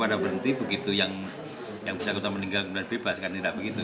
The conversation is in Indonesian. bukan berhenti begitu yang bisa meninggal dunia bebas kan tidak begitu